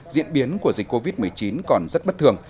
diễn biến của dịch covid một mươi chín còn rất bất thường